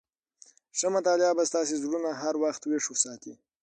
ښه مطالعه به ستاسي زړونه هر وخت ويښ ساتي.